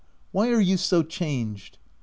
— why are you so changed ?